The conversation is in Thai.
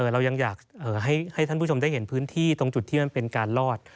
เรายังอยากให้ท่านผู้ชมได้เห็นพื้นที่ตรงจุดที่มันเป็นการรอด